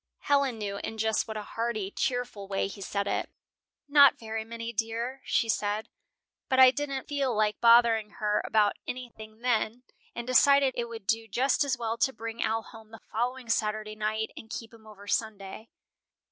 '" Helen knew in just what a hearty, cheerful way he said it. "'Not very many, dear,' she said; but I didn't feel like bothering her about anything then, and decided it would do just as well to bring Al home the following Saturday night and keep him over Sunday."